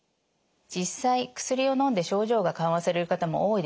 実際薬をのんで症状が緩和される方も多いです。